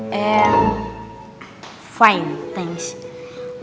saya baik terima kasih